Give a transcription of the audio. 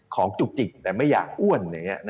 ของจุกจิกแต่ไม่อยากอ้วน